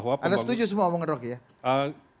ada setuju semua omongin rocky ya